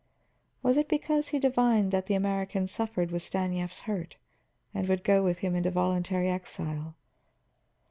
Was it because he divined that the American suffered with Stanief's hurt, and would go with him into voluntary exile?